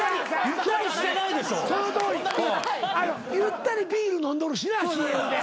ゆったりビール飲んどるしなＣＭで。